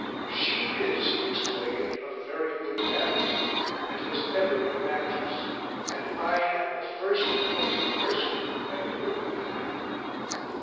"She is," he explained, "of very good family, and has never been an actress, and I am the first and only person who ever lived with her.